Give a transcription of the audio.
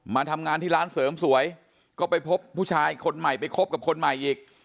มาทำงานที่ร้านเสริมสวยก็ไปพบผู้ชายคนใหม่ไปคบกับคนใหม่อีก